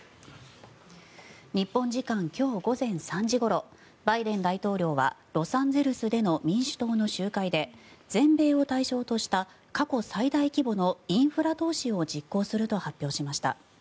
日本時間今日午前３時ごろバイデン大統領はロサンゼルスでの民主党の集会で全米を対象とした過去最大規模のインフラ投資を実行すると発表しました。